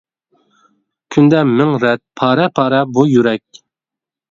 كۈندە مىڭ رەت پارە-پارە بۇ يۈرەك.